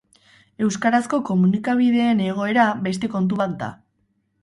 Euskarazko komunikabideen egoera beste kontu bat da.